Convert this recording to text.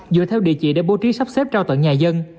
dựa theo địa chỉ để bố trí sắp xếp trao tận nhà dân